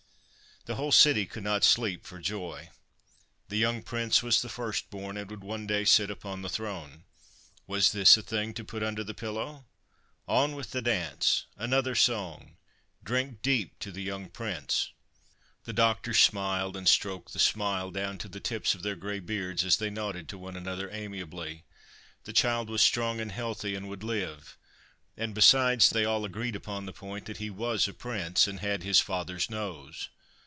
The whole city could not sleep for joy. The young Prince was the first born, and would one day sit upon the throne : was this a thing to put under the pillow? On with the dance! Another song ! Drink deep to the young Prince I The doctors smiled, and stroked the smile down to the tips of their grey beards as they nodded to one another amiably. The child was strong and healthy, and would live ; and besides, they all agreed upon the point that he was a Prince, and had his father's nose.